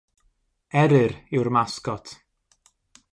Eryr yw'r masgot.